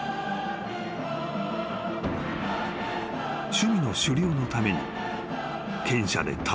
［趣味の狩猟のために］